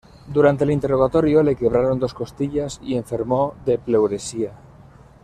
Durante el interrogatorio le quebraron dos costillas y enfermó de pleuresía.